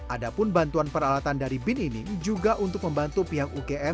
ada pun bantuan peralatan dari bin ini juga untuk membantu pihak ugm